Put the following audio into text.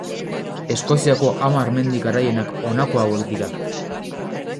Eskoziako hamar mendi garaienak honako hauek dira.